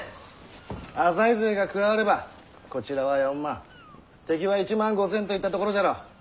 浅井勢が加わればこちらは４万敵は１万５，０００といったところじゃろ。